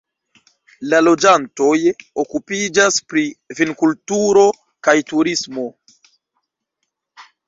La loĝantoj okupiĝas pri vinkulturo kaj turismo.